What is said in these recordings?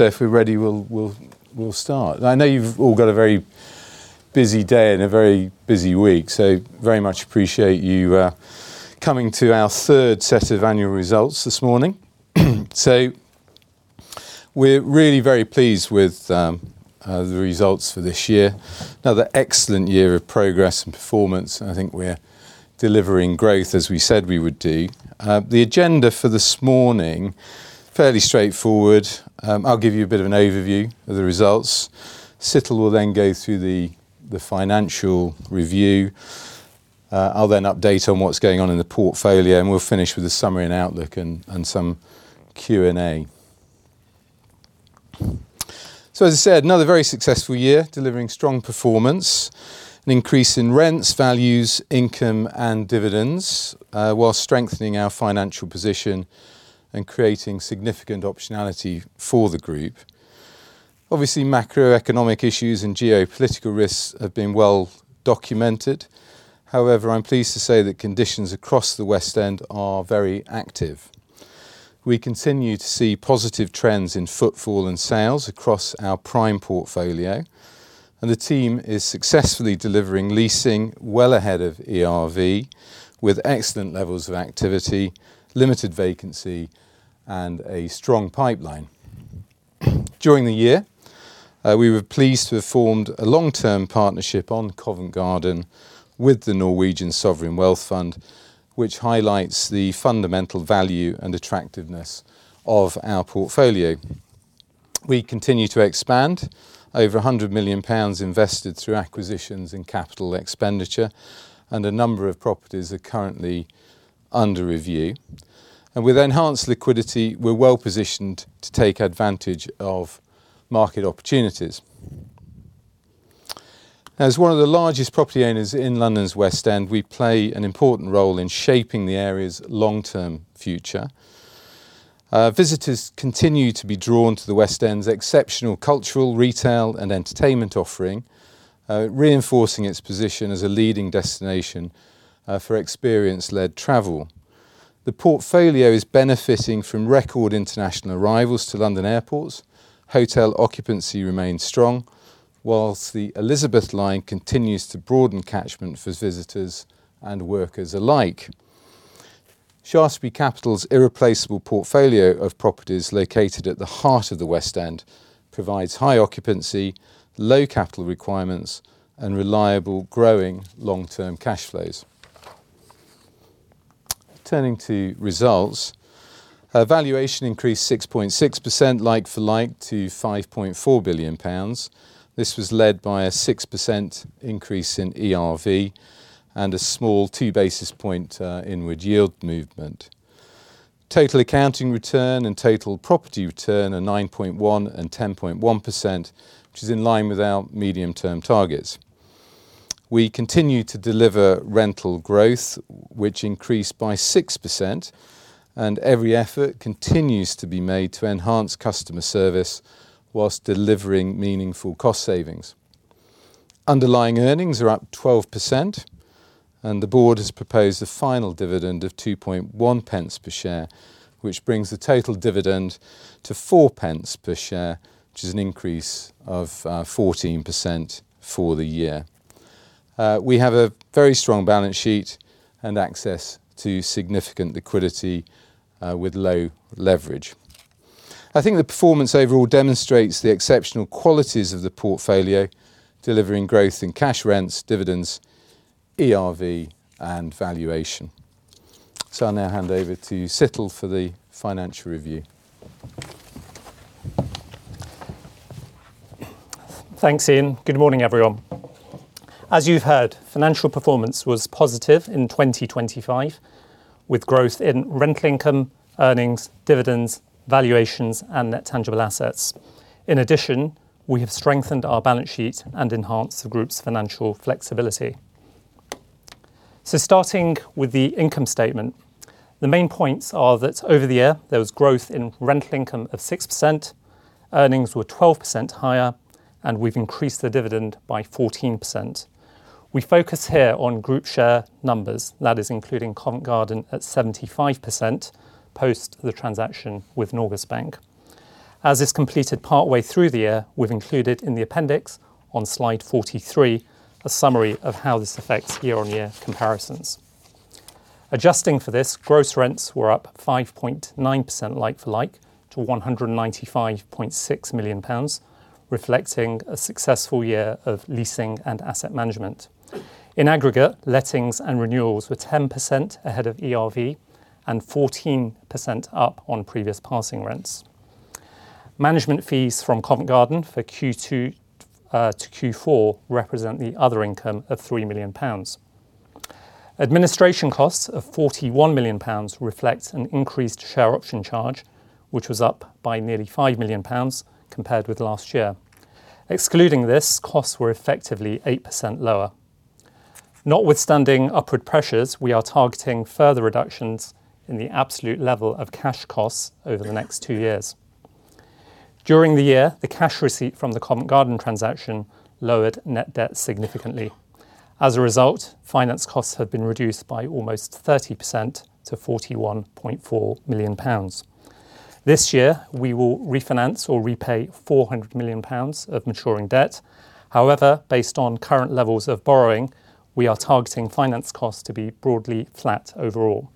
If we're ready, we'll start. I know you've all got a very busy day and a very busy week, so very much appreciate you coming to our third set of annual results this morning. We're really very pleased with the results for this year. Another excellent year of progress and performance, and I think we're delivering growth as we said we would do. The agenda for this morning, fairly straightforward. I'll give you a bit of an overview of the results. Situl will then go through the financial review. I'll then update on what's going on in the portfolio, and we'll finish with a summary and outlook and some Q&A. As I said, another very successful year, delivering strong performance, an increase in rents, values, income, and dividends, while strengthening our financial position and creating significant optionality for the group. Obviously, macroeconomic issues and geopolitical risks have been well documented. However, I'm pleased to say that conditions across the West End are very active. We continue to see positive trends in footfall and sales across our prime portfolio, and the team is successfully delivering leasing well ahead of ERV, with excellent levels of activity, limited vacancy, and a strong pipeline. During the year, we were pleased to have formed a long-term partnership on Covent Garden with the Norwegian Sovereign Wealth Fund, which highlights the fundamental value and attractiveness of our portfolio. We continue to expand over 100 million pounds invested through acquisitions and capital expenditure, and a number of properties are currently under review. With enhanced liquidity, we're well-positioned to take advantage of market opportunities. As one of the largest property owners in London's West End, we play an important role in shaping the area's long-term future. Visitors continue to be drawn to the West End's exceptional cultural, retail, and entertainment offering, reinforcing its position as a leading destination for experience-led travel. The portfolio is benefiting from record international arrivals to London airports. Hotel occupancy remains strong, whilst the Elizabeth Line continues to broaden catchment for visitors and workers alike. Shaftesbury Capital's irreplaceable portfolio of properties located at the heart of the West End provides high occupancy, low capital requirements, and reliable, growing long-term cash flows. Turning to results, our valuation increased 6.6% like-for-like to 5.4 billion pounds. This was led by a 6% increase in ERV and a small 2 basis point inward yield movement. Total accounting return and total property return are 9.1 and 10.1%, which is in line with our medium-term targets. We continue to deliver rental growth, which increased by 6%, and every effort continues to be made to enhance customer service whilst delivering meaningful cost savings. Underlying earnings are up 12%, and the board has proposed a final dividend of 2.1 pence per share, which brings the total dividend to 4 pence per share, which is an increase of 14% for the year. We have a very strong balance sheet and access to significant liquidity with low leverage. I think the performance overall demonstrates the exceptional qualities of the portfolio, delivering growth in cash rents, dividends, ERV, and valuation. I'll now hand over to Situl for the financial review. Thanks, Ian. Good morning, everyone. As you've heard, financial performance was positive in 2025, with growth in rental income, earnings, dividends, valuations, and net tangible assets. In addition, we have strengthened our balance sheet and enhanced the group's financial flexibility. Starting with the income statement, the main points are that over the year, there was growth in rental income of 6%, earnings were 12% higher, and we've increased the dividend by 14%. We focus here on group share numbers, that is including Covent Garden at 75%, post the transaction with Norges Bank. As it's completed partway through the year, we've included in the appendix on slide 43, a summary of how this affects year-on-year comparisons. Adjusting for this, gross rents were up 5.9% like-for-like to 195.6 million pounds, reflecting a successful year of leasing and asset management. In aggregate, lettings and renewals were 10% ahead of ERV and 14% up on previous passing rents. Management fees from Covent Garden for Q2 to Q4 represent the other income of 3 million pounds. Administration costs of 41 million pounds reflect an increased share option charge, which was up by nearly 5 million pounds compared with last year. Excluding this, costs were effectively 8% lower. Notwithstanding upward pressures, we are targeting further reductions in the absolute level of cash costs over the next two years. During the year, the cash receipt from the Covent Garden transaction lowered net debt significantly. Finance costs have been reduced by almost 30% to 41.4 million pounds. This year, we will refinance or repay 400 million pounds of maturing debt. Based on current levels of borrowing, we are targeting finance costs to be broadly flat overall.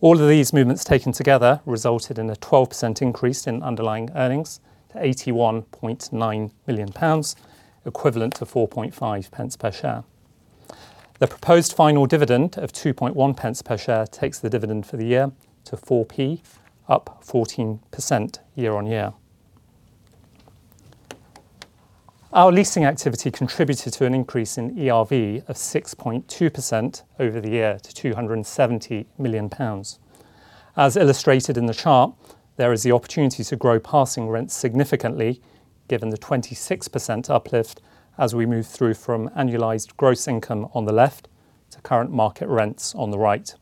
All of these movements taken together resulted in a 12% increase in underlying earnings to 81.9 million pounds, equivalent to 4.5 pence per share. The proposed final dividend of 2.1 pence per share takes the dividend for the year to 4 pence, up 14% year-over-year. Our leasing activity contributed to an increase in ERV of 6.2% over the year to 270 million pounds. As illustrated in the chart, there is the opportunity to grow passing rents significantly, given the 26% uplift as we move through from annualized gross income on the left to current market rents on the right.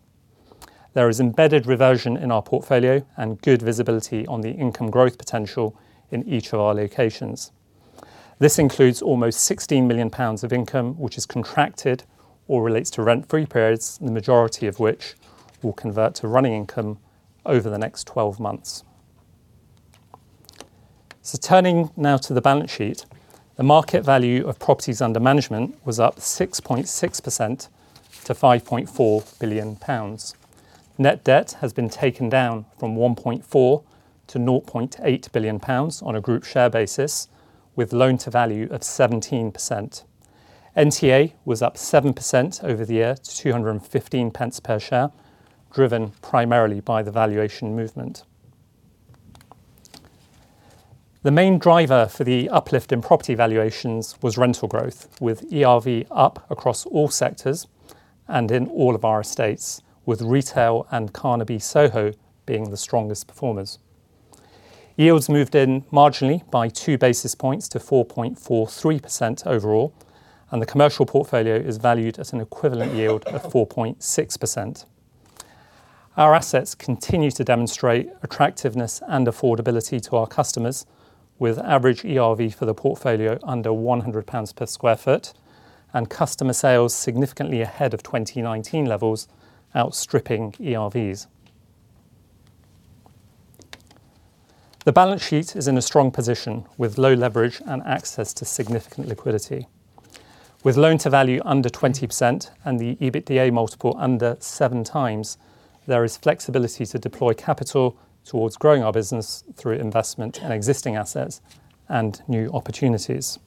There is embedded reversion in our portfolio and good visibility on the income growth potential in each of our locations. This includes almost 16 million pounds of income, which is contracted or relates to rent-free periods, the majority of which will convert to running income over the next 12 months. Turning now to the balance sheet. The market value of properties under management was up 6.6% to 5.4 billion pounds. Net debt has been taken down from 1.4 billion pounds to GBP 0.8 billion on a group share basis, with loan-to-value of 17%. NTA was up 7% over the year to 2.15 per share, driven primarily by the valuation movement. The main driver for the uplift in property valuations was rental growth, with ERV up across all sectors and in all of our estates, with retail and Carnaby Soho being the strongest performers. Yields moved in marginally by 2 basis points to 4.43% overall, and the commercial portfolio is valued at an equivalent yield of 4.6%. Our assets continue to demonstrate attractiveness and affordability to our customers, with average ERV for the portfolio under 100 pounds per sq ft and customer sales significantly ahead of 2019 levels, outstripping ERVs. The balance sheet is in a strong position, with low leverage and access to significant liquidity. With loan-to-value under 20% and the EBITDA multiple under 7 times, there is flexibility to deploy capital towards growing our business through investment in existing assets and new opportunities.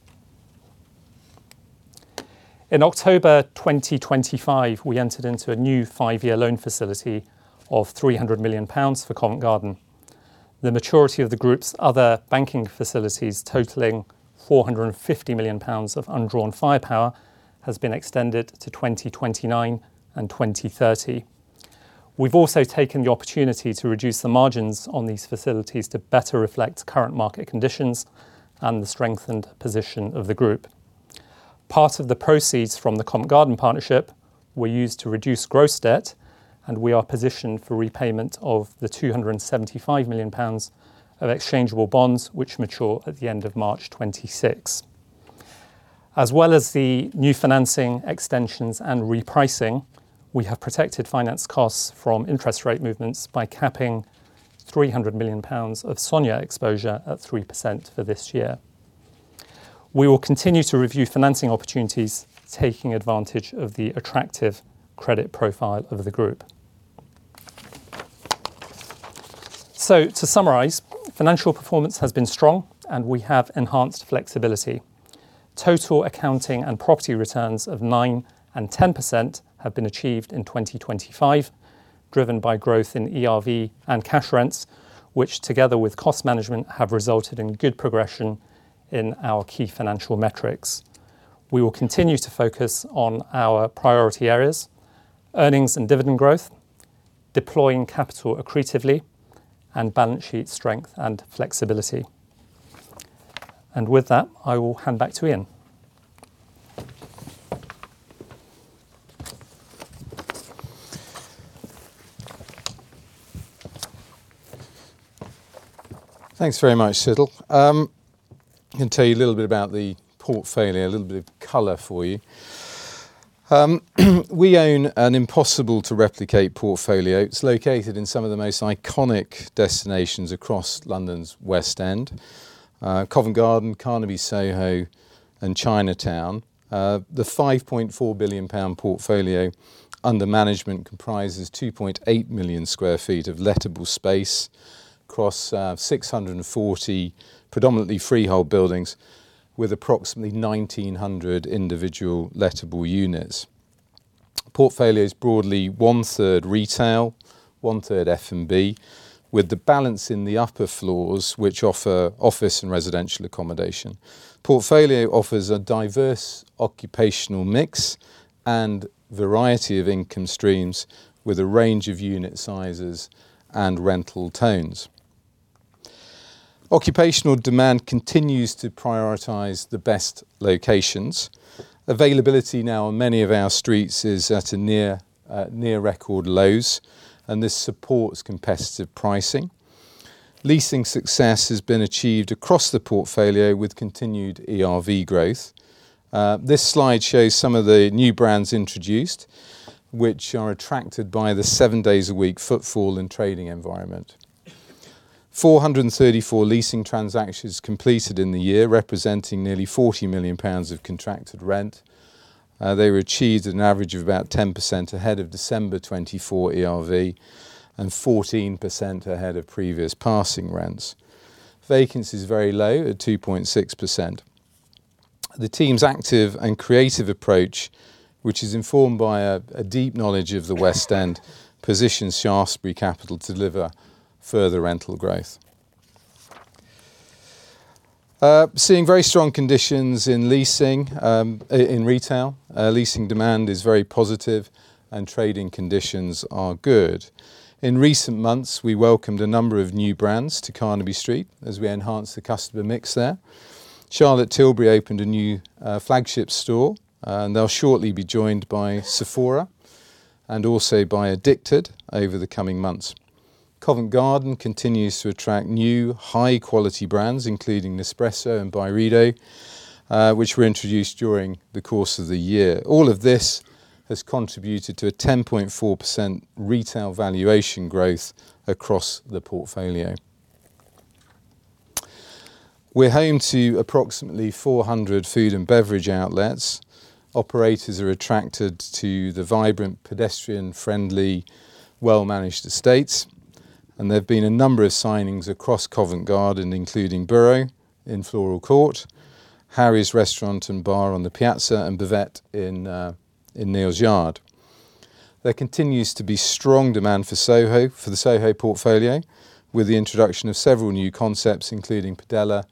In October 2025, we entered into a new 5-year loan facility of 300 million pounds for Covent Garden. The maturity of the group's other banking facilities, totaling 450 million pounds of undrawn firepower, has been extended to 2029 and 2030. We've also taken the opportunity to reduce the margins on these facilities to better reflect current market conditions and the strengthened position of the group. Part of the proceeds from the Covent Garden partnership were used to reduce gross debt. We are positioned for repayment of the 275 million pounds of exchangeable bonds, which mature at the end of March 2026. As well as the new financing extensions and repricing, we have protected finance costs from interest rate movements by capping 300 million pounds of SONIA exposure at 3% for this year. We will continue to review financing opportunities, taking advantage of the attractive credit profile of the group. To summarize, financial performance has been strong, and we have enhanced flexibility. Total accounting and property returns of 9% and 10% have been achieved in 2025, driven by growth in ERV and cash rents, which, together with cost management, have resulted in good progression in our key financial metrics. We will continue to focus on our priority areas, earnings and dividend growth, deploying capital accretively, and balance sheet strength and flexibility. With that, I will hand back to Ian. Thanks very much, Situl. I'm going to tell you a little bit about the portfolio, a little bit of color for you. We own an impossible to replicate portfolio. It's located in some of the most iconic destinations across London's West End, Covent Garden, Carnaby, Soho, and Chinatown. The 5.4 billion pound portfolio under management comprises 2.8 million sq ft of lettable space across 640 predominantly freehold buildings with approximately 1,900 individual lettable units. Portfolio is broadly one-third retail, one-third F&B, with the balance in the upper floors, which offer office and residential accommodation. Portfolio offers a diverse occupational mix and variety of income streams, with a range of unit sizes and rental tones. Occupational demand continues to prioritize the best locations. Availability now on many of our streets is at a near record lows. This supports competitive pricing. Leasing success has been achieved across the portfolio with continued ERV growth. This slide shows some of the new brands introduced, which are attracted by the 7 days a week footfall and trading environment. 434 leasing transactions completed in the year, representing nearly 40 million pounds of contracted rent. They were achieved at an average of about 10% ahead of December 2024 ERV and 14% ahead of previous passing rents. Vacancy is very low, at 2.6%. The team's active and creative approach, which is informed by a deep knowledge of the West End, positions Shaftesbury Capital to deliver further rental growth. Seeing very strong conditions in leasing in retail. Leasing demand is very positive and trading conditions are good. In recent months, we welcomed a number of new brands to Carnaby Street as we enhanced the customer mix there. Charlotte Tilbury opened a new flagship store, and they'll shortly be joined by Sephora and also by Edikted over the coming months. Covent Garden continues to attract new, high-quality brands, including Nespresso and Byredo, which were introduced during the course of the year. All of this has contributed to a 10.4% retail valuation growth across the portfolio. We're home to approximately 400 food and beverage outlets. Operators are attracted to the vibrant, pedestrian-friendly, well-managed estates, and there have been a number of signings across Covent Garden, including Burro in Floral Court, Harry's Restaurant and Bar on the Piazza, and Buvette in Neal's Yard. There continues to be strong demand for Soho, for the Soho portfolio, with the introduction of several new concepts, including Padella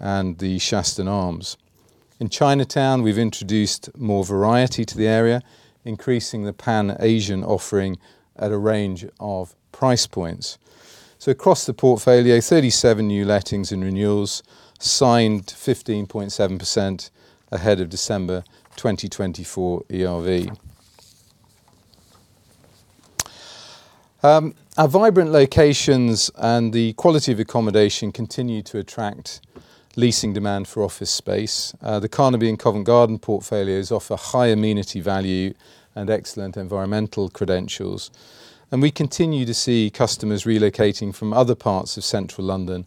and The Shaston Arms. In Chinatown, we've introduced more variety to the area, increasing the Pan-Asian offering at a range of price points. Across the portfolio, 37 new lettings and renewals signed 15.7% ahead of December 2024 ERV. Our vibrant locations and the quality of accommodation continue to attract leasing demand for office space. The Carnaby and Covent Garden portfolios offer high amenity value and excellent environmental credentials, and we continue to see customers relocating from other parts of central London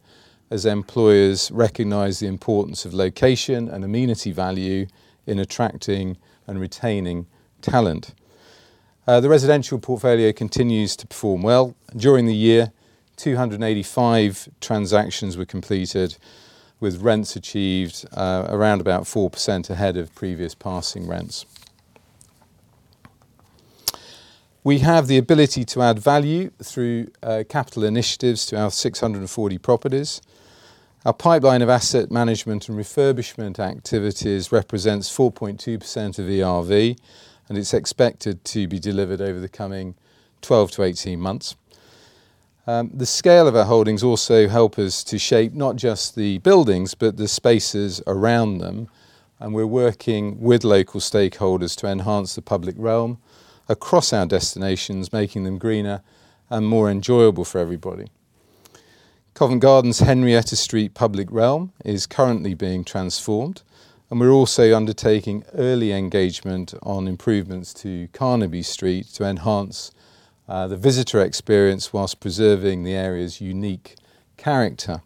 as employers recognize the importance of location and amenity value in attracting and retaining talent. The residential portfolio continues to perform well. During the year, 285 transactions were completed, with rents achieved, around about 4% ahead of previous passing rents. We have the ability to add value through capital initiatives to our 640 properties. Our pipeline of asset management and refurbishment activities represents 4.2% of ERV, and it's expected to be delivered over the coming 12 to 18 months. The scale of our holdings also help us to shape not just the buildings, but the spaces around them, and we're working with local stakeholders to enhance the public realm across our destinations, making them greener and more enjoyable for everybody. Covent Garden's Henrietta Street public realm is currently being transformed, and we're also undertaking early engagement on improvements to Carnaby Street to enhance the visitor experience whilst preserving the area's unique character.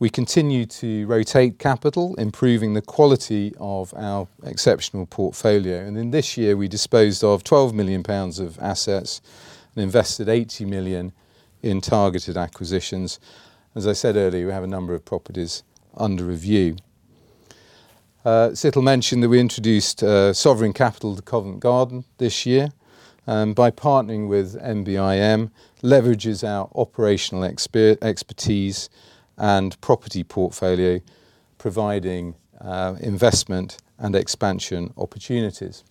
We continue to rotate capital, improving the quality of our exceptional portfolio. In this year, we disposed of 12 million pounds of assets and invested 80 million in targeted acquisitions. As I said earlier, we have a number of properties under review. Situl mentioned that we introduced Sovereign Capital to Covent Garden this year, by partnering with NBIM, leverages our operational expertise and property portfolio, providing investment and expansion opportunities.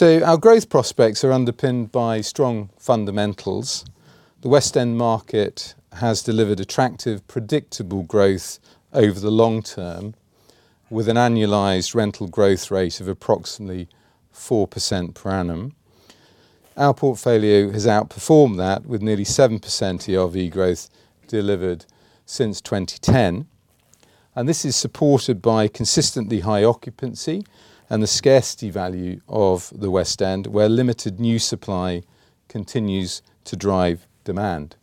Our growth prospects are underpinned by strong fundamentals. The West End market has delivered attractive, predictable growth over the long term, with an annualized rental growth rate of approximately 4% per annum. Our portfolio has outperformed that, with nearly 7% ERV growth delivered since 2010. This is supported by consistently high occupancy and the scarcity value of the West End, where limited new supply continues to drive demand.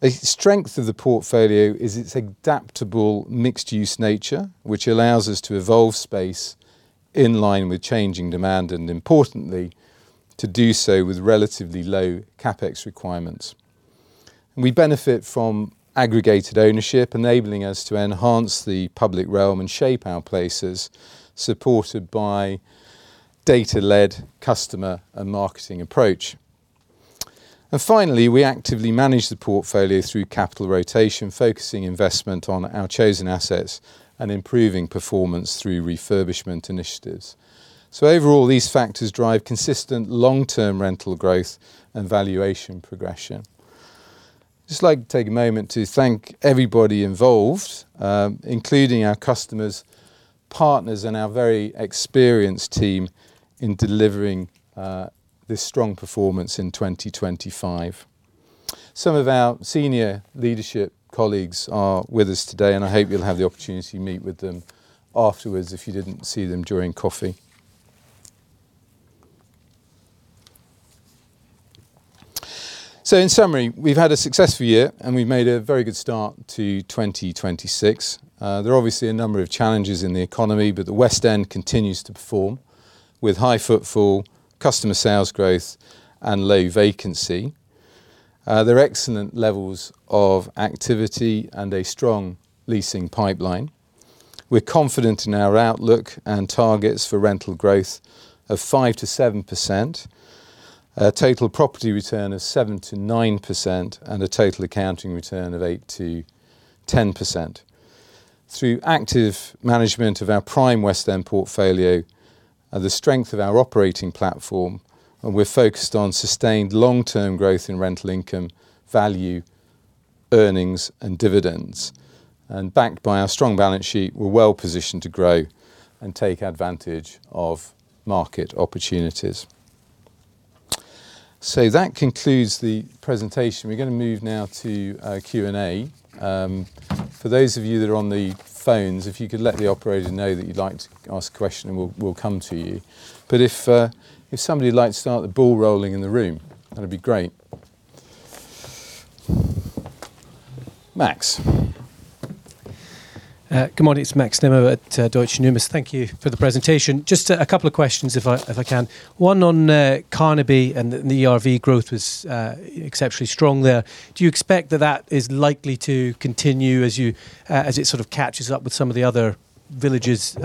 A strength of the portfolio is its adaptable mixed-use nature, which allows us to evolve space in line with changing demand, and importantly, to do so with relatively low CapEx requirements. We benefit from aggregated ownership, enabling us to enhance the public realm and shape our places, supported by data-led customer and marketing approach. And finally, we actively manage the portfolio through capital rotation, focusing investment on our chosen assets and improving performance through refurbishment initiatives. So overall, these factors drive consistent long-term rental growth and valuation progression. Just like to take a moment to thank everybody involved, including our customers, partners, and our very experienced team in delivering this strong performance in 2025. Some of our senior leadership colleagues are with us today, and I hope you'll have the opportunity to meet with them afterwards if you didn't see them during coffee. In summary, we've had a successful year, and we've made a very good start to 2026. There are obviously a number of challenges in the economy, but the West End continues to perform, with high footfall, customer sales growth, and low vacancy. There are excellent levels of activity and a strong leasing pipeline. We're confident in our outlook and targets for rental growth of 5%-7%, a total property return of 7%-9%, and a total accounting return of 8%-10%. Through active management of our prime West End portfolio and the strength of our operating platform, we're focused on sustained long-term growth in rental income, value, earnings, and dividends. Backed by our strong balance sheet, we're well positioned to grow and take advantage of market opportunities. That concludes the presentation. We're going to move now to Q&A. For those of you that are on the phones, if you could let the operator know that you'd like to ask a question, and we'll come to you. If somebody would like to start the ball rolling in the room, that'd be great. Max? Good morning. It's Max Nimmo at Deutsche Numis. Thank you for the presentation. Just a couple of questions if I can. One on Carnaby, the ERV growth was exceptionally strong there. Do you expect that that is likely to continue as you as it sort of catches up with some of the other villages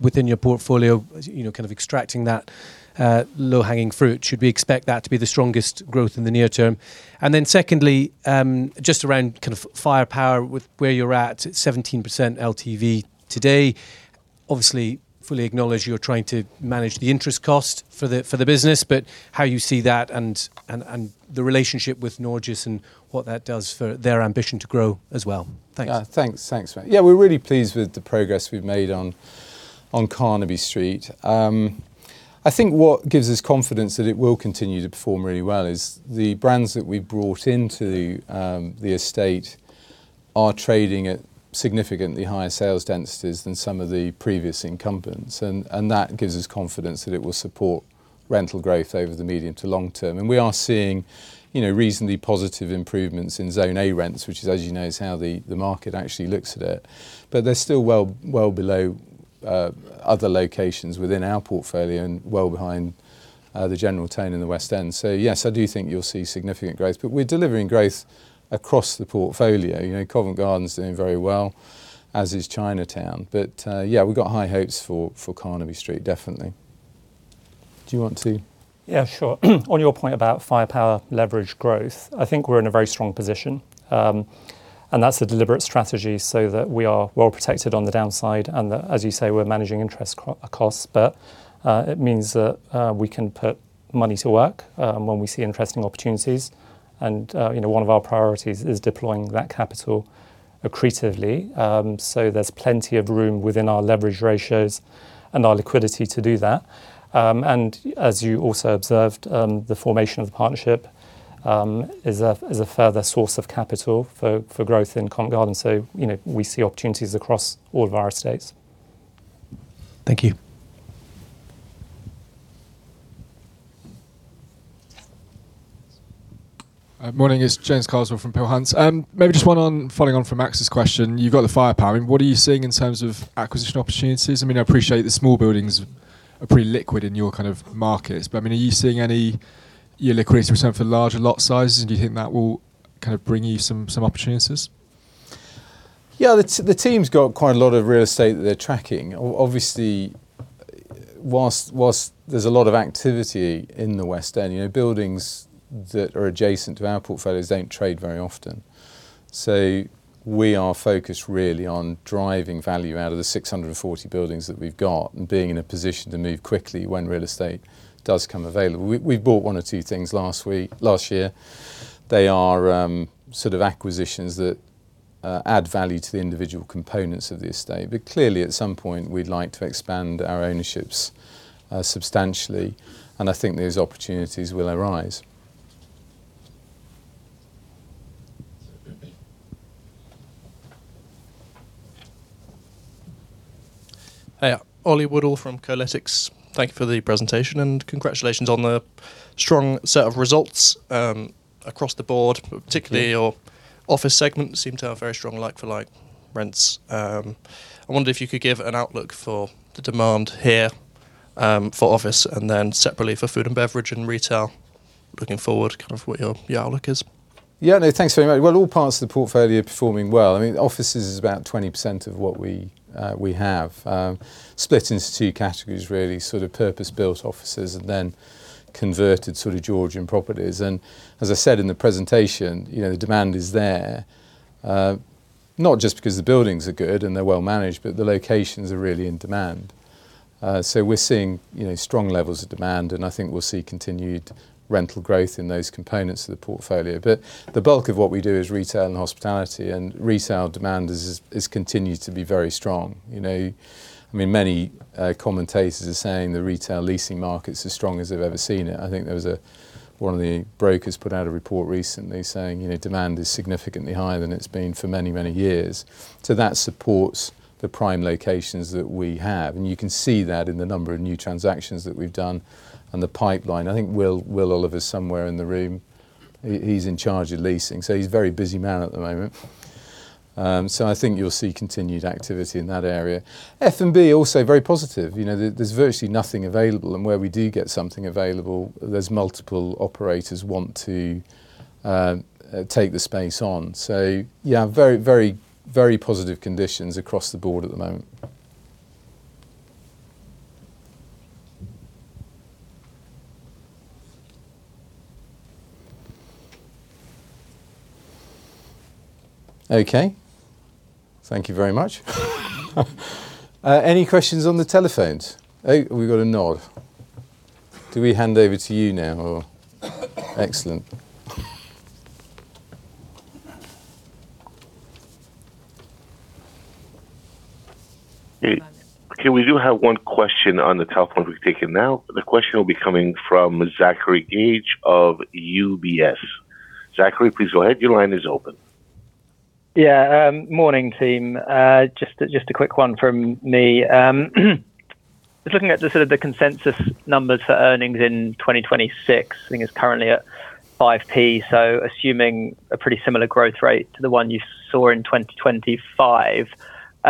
within your portfolio, as, you know, kind of extracting that low-hanging fruit? Should we expect that to be the strongest growth in the near term? Secondly, just around kind of firepower with where you're at, 17% LTV today, obviously, fully acknowledge you're trying to manage the interest cost for the business, but how you see that, and the relationship with Norges and what that does for their ambition to grow as well. Thanks. Thanks. Thanks, Max. Yeah, we're really pleased with the progress we've made on Carnaby Street. I think what gives us confidence that it will continue to perform really well is the brands that we've brought into the estate are trading at significantly higher sales densities than some of the previous incumbents. That gives us confidence that it will support rental growth over the medium to long term. We are seeing, you know, reasonably positive improvements in Zone A rents, which is, as you know, is how the market actually looks at it. They're still well below other locations within our portfolio and well behind the general tone in the West End. Yes, I do think you'll see significant growth, but we're delivering growth across the portfolio. You know, Covent Garden's doing very well, as is Chinatown. Yeah, we've got high hopes for Carnaby Street, definitely. Yeah, sure. On your point about firepower, leverage, growth, I think we're in a very strong position. That's a deliberate strategy so that we are well protected on the downside, and that, as you say, we're managing interest costs. It means that we can put money to work when we see interesting opportunities. You know, one of our priorities is deploying that capital accretively. There's plenty of room within our leverage ratios and our liquidity to do that. As you also observed, the formation of the partnership is a further source of capital for growth in Covent Garden. You know, we see opportunities across all of our estates. Thank you. Morning, it's James Carswell from Peel Hunt. Maybe just one on, following on from Max's question, you've got the firepower. I mean, what are you seeing in terms of acquisition opportunities? I mean, I appreciate the small buildings are pretty liquid in your kind of markets, but, I mean, You're liquidating something for larger lot sizes, and do you think that will kind of bring you some opportunities? Yeah, the team's got quite a lot of real estate that they're tracking. Obviously, whilst there's a lot of activity in the West End, you know, buildings that are adjacent to our portfolios don't trade very often. We are focused really on driving value out of the 640 buildings that we've got and being in a position to move quickly when real estate does come available. We bought one or two things last year. They are, sort of acquisitions that, add value to the individual components of the estate. Clearly, at some point, we'd like to expand our ownerships substantially. I think those opportunities will arise. Hey, Ollie Woodle from Carlytics. Thank you for the presentation. Congratulations on the strong set of results, across the board. Thank you. Particularly your office segment seemed to have very strong like-for-like rents. I wonder if you could give an outlook for the demand here, for office and then separately for food and beverage and retail, looking forward, kind of what your outlook is? Yeah, no, thanks very much. Well, all parts of the portfolio are performing well. I mean, offices is about 20% of what we have, split into two categories, really: sort of purpose-built offices and then converted sort of Georgian properties. As I said in the presentation, you know, the demand is there, not just because the buildings are good and they're well managed, but the locations are really in demand. So we're seeing, you know, strong levels of demand, and I think we'll see continued rental growth in those components of the portfolio. The bulk of what we do is retail and hospitality, and retail demand is continued to be very strong, you know. I mean, many commentators are saying the retail leasing market's as strong as they've ever seen it. I think there was one of the brokers put out a report recently saying, you know, demand is significantly higher than it's been for many, many years. That supports the prime locations that we have, and you can see that in the number of new transactions that we've done and the pipeline. I think Will Oliver's somewhere in the room. He's in charge of leasing, so he's a very busy man at the moment. I think you'll see continued activity in that area. F&B also very positive. You know, there's virtually nothing available, and where we do get something available, there's multiple operators want to take the space on. Yeah, very, very, very positive conditions across the board at the moment. Okay. Thank you very much. Any questions on the telephones? Oh, we've got a nod. Do we hand over to you now, or? Excellent. Hey. Okay, we do have one question on the telephone we've taken now. The question will be coming from Zachary Gauge of UBS. Zachary, please go ahead. Your line is open. Morning, team. Just a quick one from me. Just looking at the sort of the consensus numbers for earnings in 2026, I think it's currently at 5p, so assuming a pretty similar growth rate to the one you saw in 2025.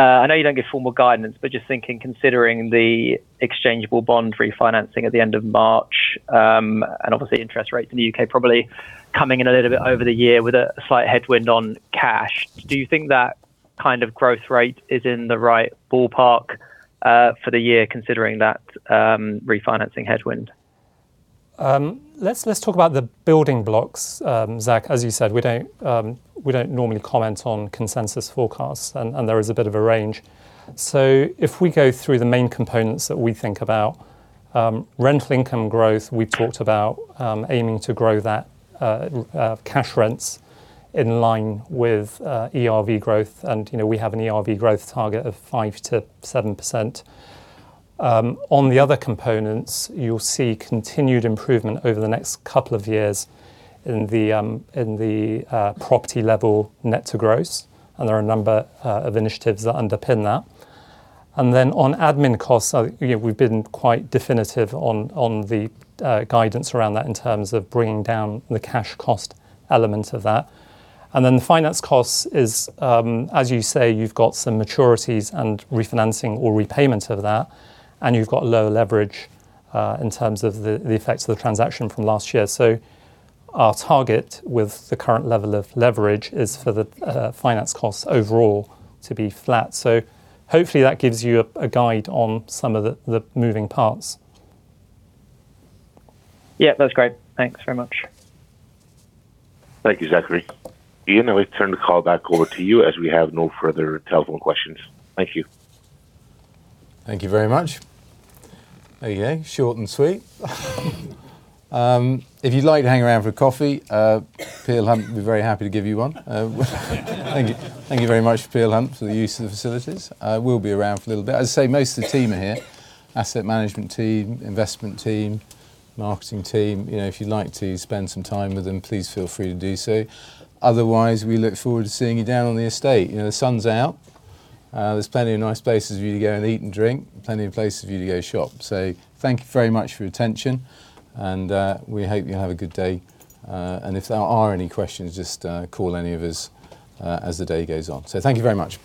I know you don't give formal guidance, just thinking, considering the exchangeable bond refinancing at the end of March, and obviously interest rates in the U.K. probably coming in a little bit over the year with a slight headwind on cash, do you think that kind of growth rate is in the right ballpark for the year, considering that refinancing headwind? Let's talk about the building blocks, Zach. As you said, we don't normally comment on consensus forecasts, and there is a bit of a range. So if we go through the main components that we think about, rental income growth, we talked about aiming to grow that cash rents in line with ERV growth, and, you know, we have an ERV growth target of 5%-7%. On the other components, you'll see continued improvement over the next couple of years in the property level, net to gross, and there are a number of initiatives that underpin that. Then, on admin costs, you know, we've been quite definitive on the guidance around that in terms of bringing down the cash cost element of that. The finance cost is, as you say, you've got some maturities and refinancing or repayment of that, and you've got low leverage, in terms of the effects of the transaction from last year. Our target with the current level of leverage is for the finance costs overall to be flat. Hopefully that gives you a guide on some of the moving parts. That's great. Thanks very much. Thank you, Zachary. Ian, I will turn the call back over to you as we have no further telephone questions. Thank you. Thank you very much. There you go, short and sweet. If you'd like to hang around for a coffee, Peel Hunt will be very happy to give you one. Thank you. Thank you very much, Peel Hunt, for the use of the facilities. I will be around for a little bit. As I say, most of the team are here, asset management team, investment team, marketing team. You know, if you'd like to spend some time with them, please feel free to do so. Otherwise, we look forward to seeing you down on the estate. You know, the sun's out. There's plenty of nice places for you to go and eat and drink, plenty of places for you to go shop. Thank you very much for your attention, and we hope you have a good day. If there are any questions, just call any of us as the day goes on. Thank you very much.